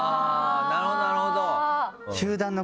なるほどなるほど！